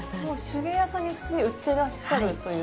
手芸屋さんに普通に売ってらっしゃるという。